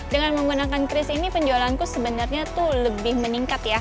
dengan menggunakan cris ini penjualanku sebenarnya tuh lebih meningkat ya